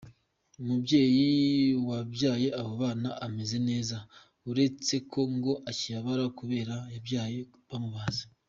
Umubyeyi wabyaye abo bana ameze neza uretseko ngo akibabara kubera yabyaye bamubaze.